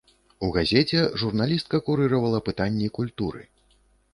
У газеце журналістка курыравала пытанні культуры.